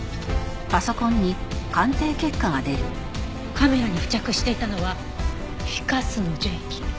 カメラに付着していたのはフィカスの樹液。